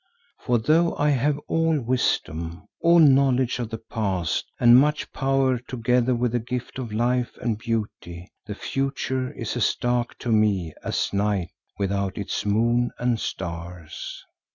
For though I have all wisdom, all knowledge of the Past and much power together with the gift of life and beauty, the future is as dark to me as night without its moon and stars.